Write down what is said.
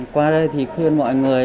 qua đây thì khuyên mọi người